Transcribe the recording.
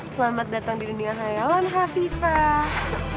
selamat datang di dunia hayalan hafifah